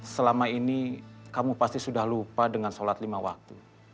selama ini kamu pasti sudah lupa dengan sholat lima waktu